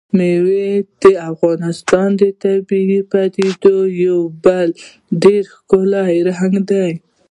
مېوې د افغانستان د طبیعي پدیدو یو بل ډېر ښکلی رنګ دی.